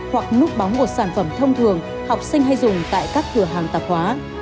hoặc nút bóng của sản phẩm thông thường học sinh hay dùng tại các cửa hàng tạp hóa